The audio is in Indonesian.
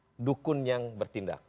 menunggu dukun yang bertindak